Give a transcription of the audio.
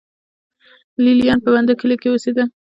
لې لیان په بندو کلیو کې اوسېدل.